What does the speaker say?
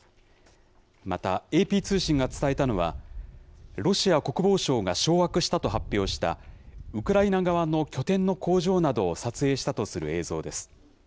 また、ＡＰ通信が伝えたのは、ロシア国防省が掌握したと発表した、ウクライナ側の拠点の工場などを撮影したとする映像です。